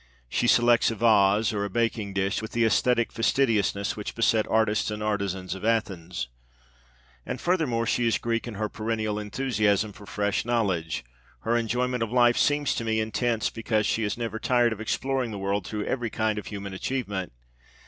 She selects a vase or a baking dish with the æsthetic fastidiousness which beset the artists and artisans of Athens. And, furthermore, she is Greek in her perennial enthusiasm for fresh knowledge. Her enjoyment of life seems to me intense because she is never tired of exploring the world through every kind of human achievement.